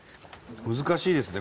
難しいですね